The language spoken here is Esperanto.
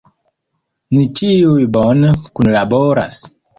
Ni ĉiuj bone kunlaboras.